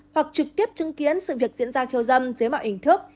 hoặc trực tiếp chứng kiến sự việc diễn ra khiêu dâm dưới mọi hình thức